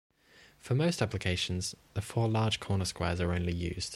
For most applications, the four large corner squares are only used.